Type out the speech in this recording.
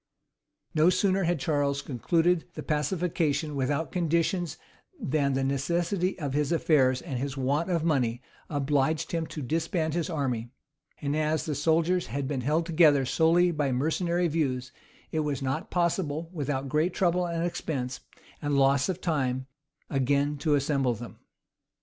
No sooner had Charles concluded the pacification without conditions than the necessity of his affairs and his want of money obliged him to disband his army; and as the soldiers had been held together solely by mercenary views, it was not possible, without great trouble, and expense, and loss of time, again to assemble them.